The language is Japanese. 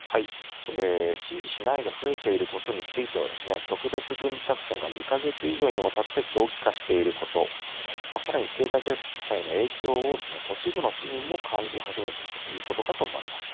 支持しないが増えていることについては、特別軍事作戦が２か月以上にわたって長期化していること、さらに、経済制裁の影響を都市部の市民も感じ始めているということかと思われます。